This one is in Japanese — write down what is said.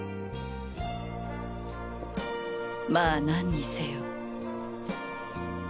まあ何にせよ